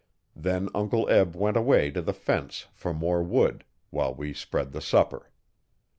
Then Uncle Eb went away to the fence for more wood, while we spread the supper.